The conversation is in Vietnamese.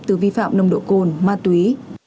từ vi phạm nồng độ cồn ma túy